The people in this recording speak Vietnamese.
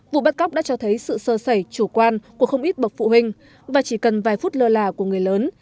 vụ bắt cóc đã cho thấy sự sơ sẩy chủ quan của không ít bậc phụ huynh và chỉ cần vài phút lơ là của người lớn